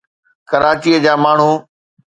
ڪراچي جا ماڻهو